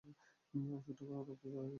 ওষুধটা রক্তচলাচল ধীর করে দিয়েছে।